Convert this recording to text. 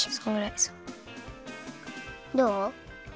どう？